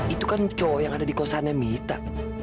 itu kan cowok yang ada di kosannya mita